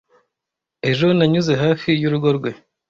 Ejo nanyuze hafi y'urugo rwe.